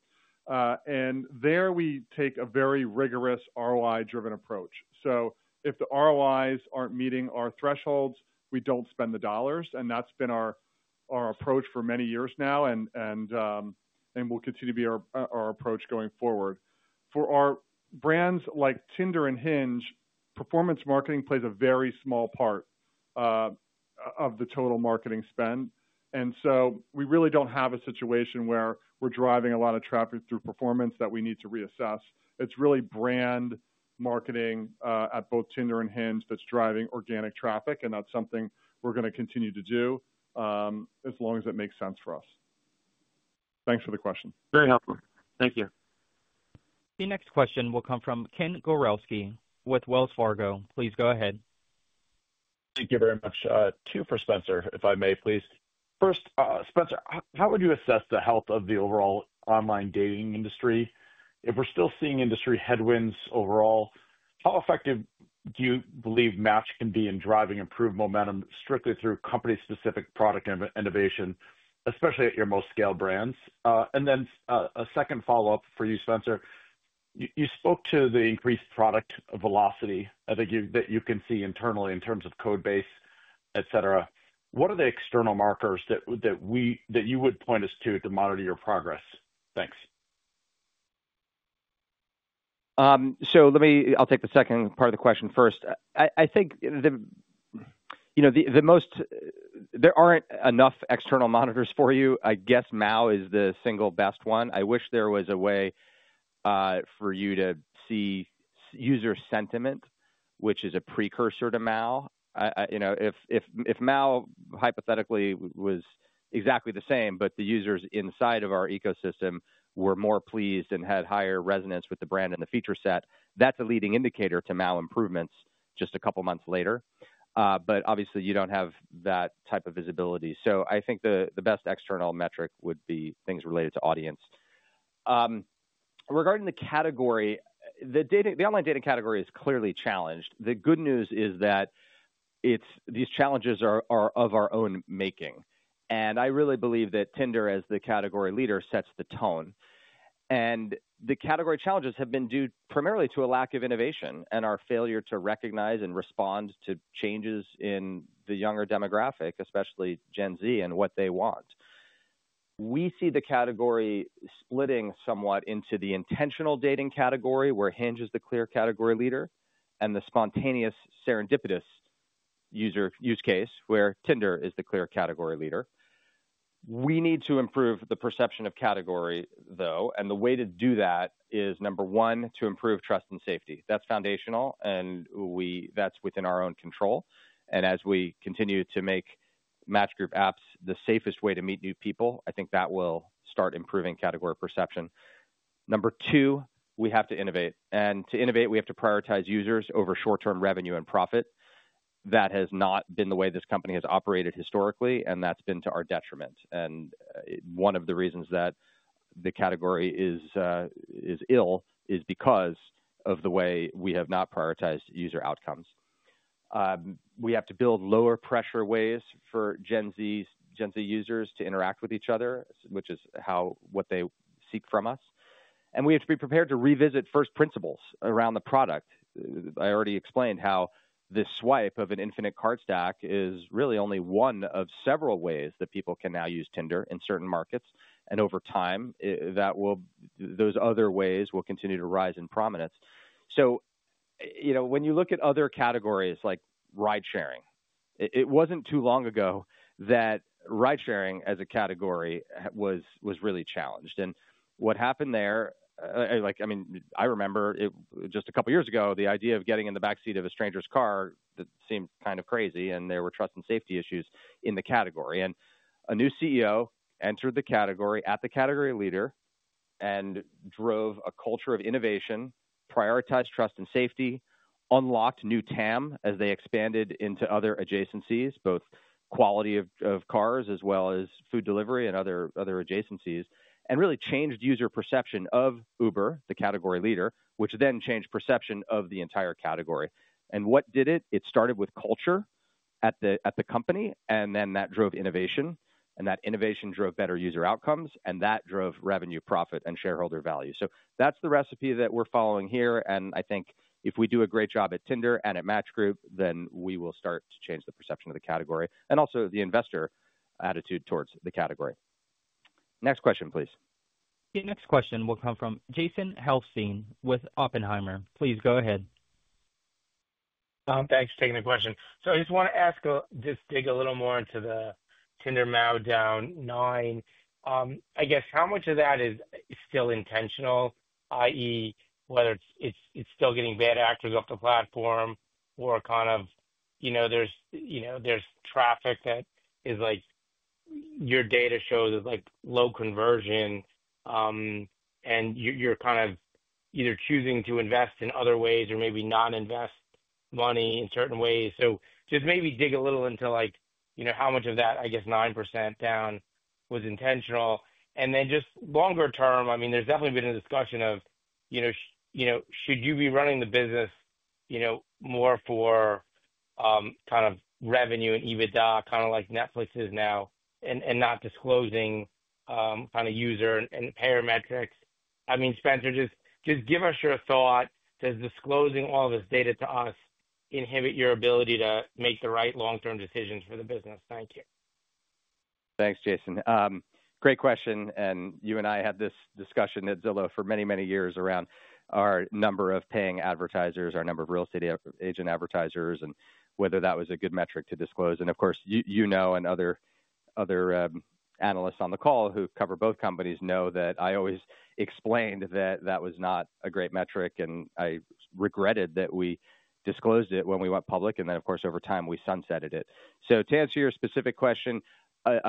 There we take a very rigorous ROI-driven approach. If the ROIs are not meeting our thresholds, we do not spend the dollars. That has been our approach for many years now, and will continue to be our approach going forward. For our brands like Tinder and Hinge, performance marketing plays a very small part of the total marketing spend. We really do not have a situation where we are driving a lot of traffic through performance that we need to reassess. It is really brand marketing at both Tinder and Hinge that is driving organic traffic. That is something we are going to continue to do as long as it makes sense for us. Thanks for the question. Very helpful. Thank you. The next question will come from Ken Gawrelski with Wells Fargo. Please go ahead. Thank you very much. Two for Spencer, if I may, please. First, Spencer, how would you assess the health of the overall online dating industry? If we're still seeing industry headwinds overall, how effective do you believe Match can be in driving improved momentum strictly through company-specific product innovation, especially at your most scaled brands? A second follow-up for you, Spencer. You spoke to the increased product velocity that you can see internally in terms of code base, etc. What are the external markers that you would point us to to monitor your progress? Thanks. I'll take the second part of the question first. I think there aren't enough external monitors for you. I guess MAU is the single best one. I wish there was a way for you to see user sentiment, which is a precursor to MAU. If MAU hypothetically was exactly the same, but the users inside of our ecosystem were more pleased and had higher resonance with the brand and the feature set, that's a leading indicator to MAU improvements just a couple of months later. Obviously, you don't have that type of visibility. I think the best external metric would be things related to audience. Regarding the category, the online dating category is clearly challenged. The good news is that these challenges are of our own making. I really believe that Tinder, as the category leader, sets the tone. The category challenges have been due primarily to a lack of innovation and our failure to recognize and respond to changes in the younger demographic, especially Gen Z, and what they want. We see the category splitting somewhat into the intentional dating category, where Hinge is the clear category leader, and the spontaneous serendipitous use case, where Tinder is the clear category leader. We need to improve the perception of category, though. The way to do that is, number one, to improve trust and safety. That is foundational, and that is within our own control. As we continue to make Match Group apps the safest way to meet new people, I think that will start improving category perception. Number two, we have to innovate. To innovate, we have to prioritize users over short-term revenue and profit. That has not been the way this company has operated historically, and that's been to our detriment. One of the reasons that the category is ill is because of the way we have not prioritized user outcomes. We have to build lower-pressure ways for Gen Z users to interact with each other, which is what they seek from us. We have to be prepared to revisit first principles around the product. I already explained how this swipe of an infinite card stack is really only one of several ways that people can now use Tinder in certain markets. Over time, those other ways will continue to rise in prominence. When you look at other categories like ride-sharing, it was not too long ago that ride-sharing as a category was really challenged. What happened there, I mean, I remember just a couple of years ago, the idea of getting in the backseat of a stranger's car, that seemed kind of crazy, and there were trust and safety issues in the category. A new CEO entered the category at the category leader and drove a culture of innovation, prioritized trust and safety, unlocked new TAM as they expanded into other adjacencies, both quality of cars as well as food delivery and other adjacencies, and really changed user perception of Uber, the category leader, which then changed perception of the entire category. What did it? It started with culture at the company, and then that drove innovation. That innovation drove better user outcomes, and that drove revenue, profit, and shareholder value. That is the recipe that we are following here. I think if we do a great job at Tinder and at Match Group, then we will start to change the perception of the category and also the investor attitude towards the category. Next question, please. The next question will come from Jason Helfstein with Oppenheimer. Please go ahead. Thanks for taking the question. I just want to ask, just dig a little more into the Tinder MAU down nine. I guess how much of that is still intentional, i.e., whether it's still getting bad actors off the platform or kind of there's traffic that is like your data shows like low conversion, and you're kind of either choosing to invest in other ways or maybe not invest money in certain ways. Just maybe dig a little into how much of that, I guess, 9% down was intentional. Then just longer term, I mean, there's definitely been a discussion of should you be running the business more for kind of revenue and EBITDA, kind of like Netflix is now, and not disclosing kind of user and payer metrics? I mean, Spencer, just give us your thought. Does disclosing all this data to us inhibit your ability to make the right long-term decisions for the business? Thank you. Thanks, Jason. Great question. You and I had this discussion at Zillow for many, many years around our number of paying advertisers, our number of real estate agent advertisers, and whether that was a good metric to disclose. Of course, you know, and other analysts on the call who cover both companies know that I always explained that that was not a great metric, and I regretted that we disclosed it when we went public. Over time, we sunsetted it. To answer your specific question,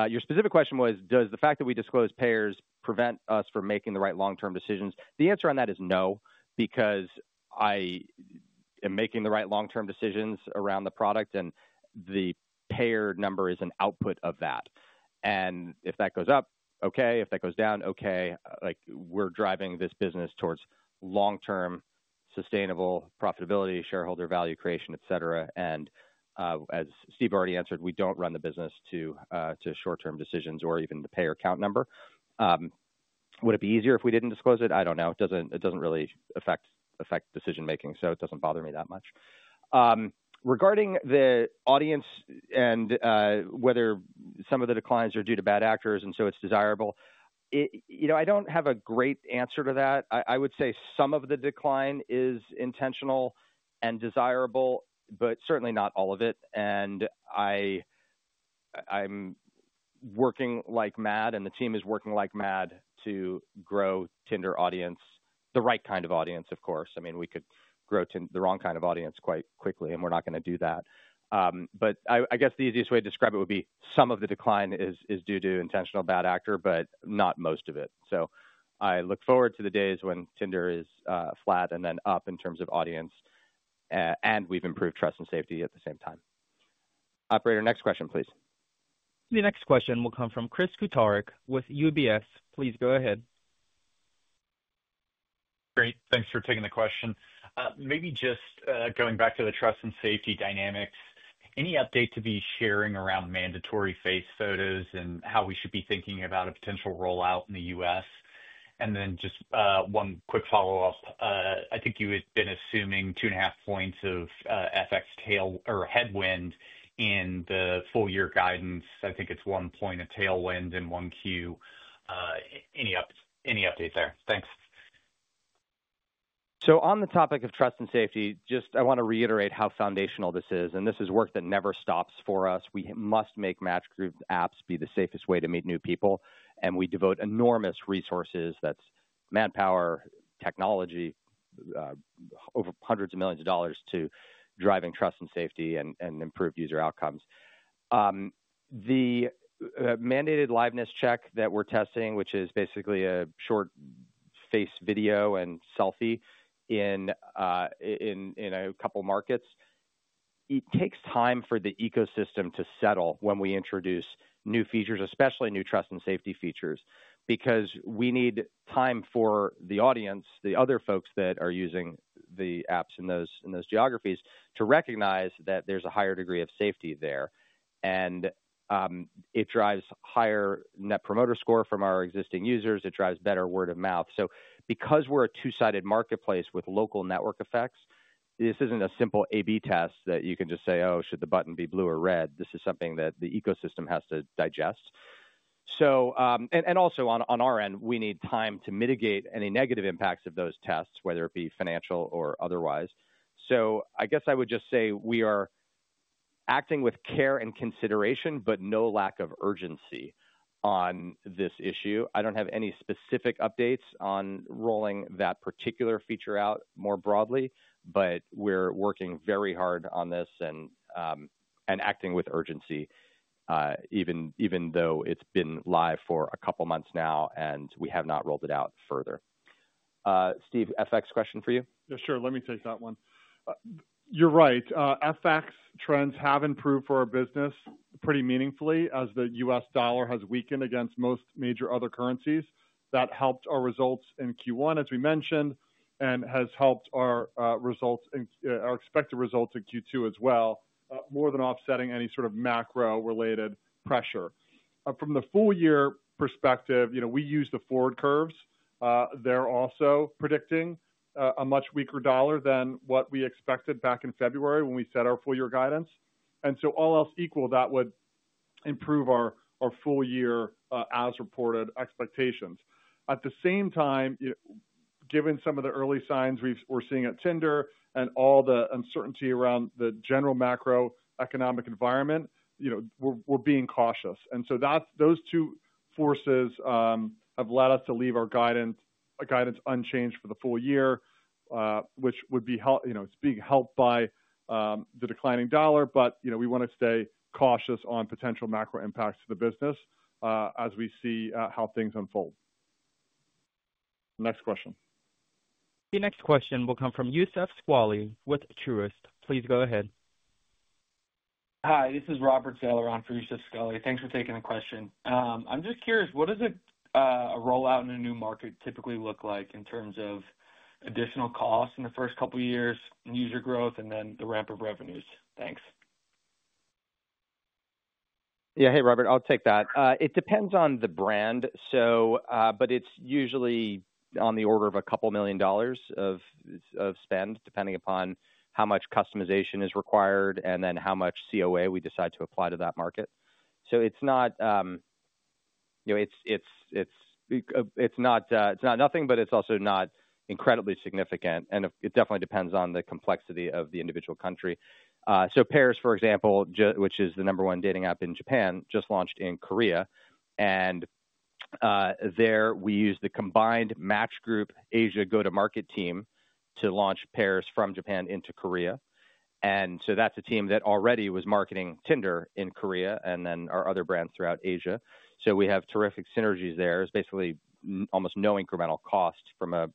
your specific question was, does the fact that we disclose payers prevent us from making the right long-term decisions? The answer on that is no because I am making the right long-term decisions around the product, and the payer number is an output of that. If that goes up, okay. If that goes down, okay. We're driving this business towards long-term sustainable profitability, shareholder value creation, etc. As Steve already answered, we don't run the business to short-term decisions or even the payer account number. Would it be easier if we didn't disclose it? I don't know. It doesn't really affect decision-making, so it doesn't bother me that much. Regarding the audience and whether some of the declines are due to bad actors and so it's desirable, I don't have a great answer to that. I would say some of the decline is intentional and desirable, but certainly not all of it. I'm working like mad, and the team is working like mad to grow Tinder audience, the right kind of audience, of course. I mean, we could grow the wrong kind of audience quite quickly, and we're not going to do that. I guess the easiest way to describe it would be some of the decline is due to intentional bad actor, but not most of it. I look forward to the days when Tinder is flat and then up in terms of audience, and we've improved trust and safety at the same time. Operator, next question, please. The next question will come from Chris Kutarik with UBS. Please go ahead. Great. Thanks for taking the question. Maybe just going back to the trust and safety dynamics, any update to be sharing around mandatory face photos and how we should be thinking about a potential rollout in the U.S.? I think you had been assuming two and a half points of FX headwind in the full-year guidance. I think it's one point of tailwind in Q1. Any update there? Thanks. On the topic of trust and safety, I want to reiterate how foundational this is. This is work that never stops for us. We must make Match Group apps be the safest way to meet new people. We devote enormous resources—that is manpower, technology—over hundreds of millions of dollars to driving trust and safety and improved user outcomes. The mandated liveness check that we are testing, which is basically a short face video and selfie in a couple of markets, takes time for the ecosystem to settle when we introduce new features, especially new trust and safety features, because we need time for the audience, the other folks that are using the apps in those geographies, to recognize that there is a higher degree of safety there. It drives higher net promoter score from our existing users. It drives better word of mouth. Because we're a two-sided marketplace with local network effects, this isn't a simple A/B test that you can just say, "Oh, should the button be blue or red?" This is something that the ecosystem has to digest. Also, on our end, we need time to mitigate any negative impacts of those tests, whether it be financial or otherwise. I guess I would just say we are acting with care and consideration, but no lack of urgency on this issue. I don't have any specific updates on rolling that particular feature out more broadly, but we're working very hard on this and acting with urgency, even though it's been live for a couple of months now, and we have not rolled it out further. Steve, FX question for you. Yeah, sure. Let me take that one. You're right. FX trends have improved for our business pretty meaningfully as the U.S. dollar has weakened against most major other currencies. That helped our results in Q1, as we mentioned, and has helped our expected results in Q2 as well, more than offsetting any sort of macro-related pressure. From the full-year perspective, we use the forward curves. They're also predicting a much weaker dollar than what we expected back in February when we set our full-year guidance. All else equal, that would improve our full-year, as reported, expectations. At the same time, given some of the early signs we're seeing at Tinder and all the uncertainty around the general macroeconomic environment, we're being cautious. Those two forces have led us to leave our guidance unchanged for the full year, which would be being helped by the declining dollar. We want to stay cautious on potential macro impacts to the business as we see how things unfold. Next question. The next question will come from Youssef Squali with Truist. Please go ahead. Hi, this is Robert Zeller for Youssef Squali. Thanks for taking the question. I'm just curious, what does a rollout in a new market typically look like in terms of additional costs in the first couple of years, user growth, and then the ramp of revenues? Thanks. Yeah, hey, Robert, I'll take that. It depends on the brand, but it's usually on the order of a couple of million dollars of spend, depending upon how much customization is required and then how much COA we decide to apply to that market. It's not nothing, but it's also not incredibly significant. It definitely depends on the complexity of the individual country. Pairs, for example, which is the number one dating app in Japan, just launched in Korea. There we use the combined Match Group Asia go-to-market team to launch Pairs from Japan into Korea. That's a team that already was marketing Tinder in Korea and then our other brands throughout Asia. We have terrific synergies there. It's basically almost no incremental cost from a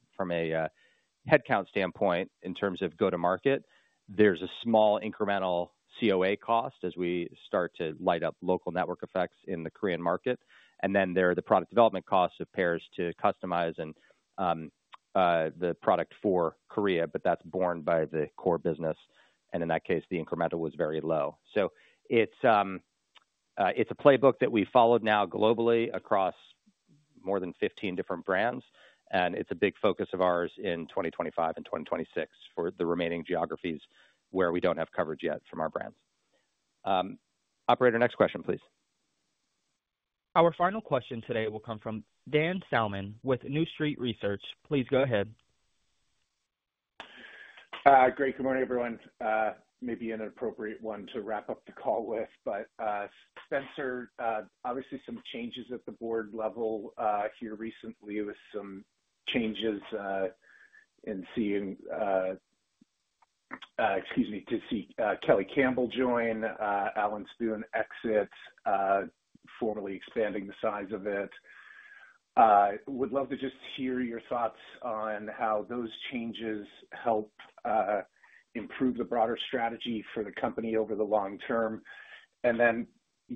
headcount standpoint in terms of go-to-market. There's a small incremental COA cost as we start to light up local network effects in the Korean market. There are the product development costs of Pairs to customize the product for Korea, but that's borne by the core business. In that case, the incremental was very low. It's a playbook that we followed now globally across more than 15 different brands. It's a big focus of ours in 2025 and 2026 for the remaining geographies where we don't have coverage yet from our brands. Operator, next question, please. Our final question today will come from Dan Salmon with New Street Research. Please go ahead. Great. Good morning, everyone. Maybe an inappropriate one to wrap up the call with, but Spencer, obviously some changes at the board level here recently with some changes in seeing—excuse me—to see Kelly Campbell join, Alan Spoon exit, formally expanding the size of it. Would love to just hear your thoughts on how those changes help improve the broader strategy for the company over the long term. And then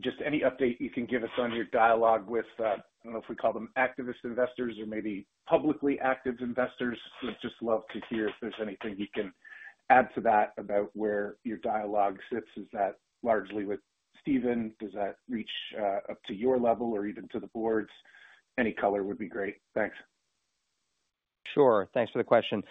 just any update you can give us on your dialogue with, I do not know if we call them activist investors or maybe publicly active investors. Would just love to hear if there is anything you can add to that about where your dialogue sits. Is that largely with Steven? Does that reach up to your level or even to the boards? Any color would be great. Thanks. Sure. Thanks for the question.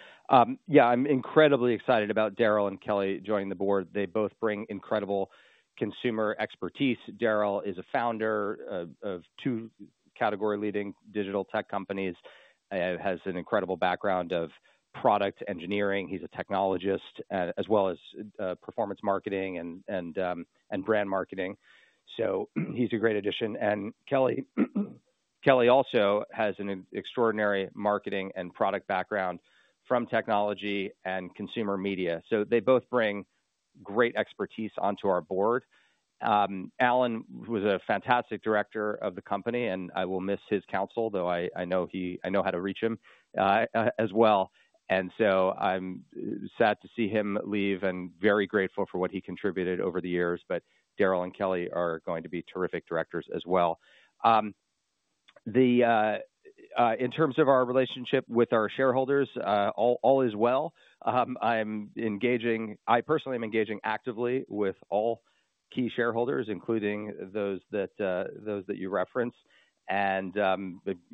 Yeah, I'm incredibly excited about Daryl and Kelly joining the board. They both bring incredible consumer expertise. Daryl is a founder of two category-leading digital tech companies. He has an incredible background of product engineering. He's a technologist as well as performance marketing and brand marketing. He's a great addition. Kelly also has an extraordinary marketing and product background from technology and consumer media. They both bring great expertise onto our board. Alan was a fantastic director of the company, and I will miss his counsel, though I know how to reach him as well. I'm sad to see him leave and very grateful for what he contributed over the years. Daryl and Kelly are going to be terrific directors as well. In terms of our relationship with our shareholders, all is well. I personally am engaging actively with all key shareholders, including those that you referenced, and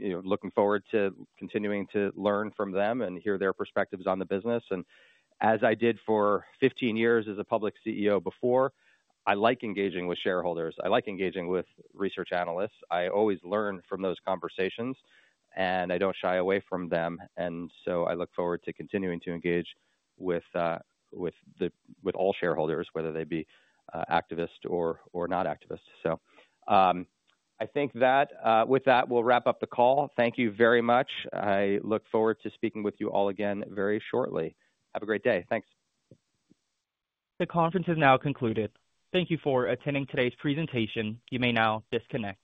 looking forward to continuing to learn from them and hear their perspectives on the business. As I did for 15 years as a public CEO before, I like engaging with shareholders. I like engaging with research analysts. I always learn from those conversations, and I do not shy away from them. I look forward to continuing to engage with all shareholders, whether they be activists or not activists. I think that with that, we will wrap up the call. Thank you very much. I look forward to speaking with you all again very shortly. Have a great day. Thanks. The conference is now concluded. Thank you for attending today's presentation. You may now disconnect.